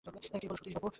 কী বল সতীশবাবু!